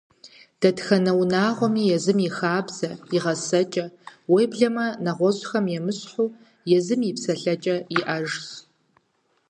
Дэтхэнэ унагъуэми езым и хабзэ, и гъэсэкӀэ, уеблэмэ, нэгъуэщӀхэм емыщхьу, езым и псэлъэкӀэ иӀэжщ.